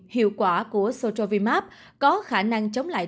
hiệu quả của strovimab có khả năng chống lại